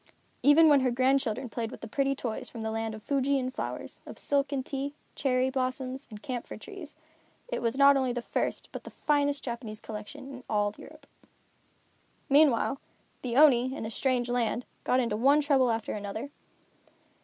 Even when her grandchildren played with the pretty toys from the land of Fuji and flowers, of silk and tea, cherry blossoms and camphor trees, it was not only the first but the finest Japanese collection in all Europe. Meanwhile, the Oni, in a strange land, got into one trouble after another.